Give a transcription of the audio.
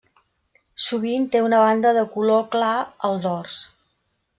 Sovint té una banda de color clar al dors.